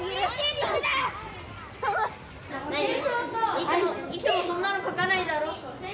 いつもいつもそんなの書かないだろ。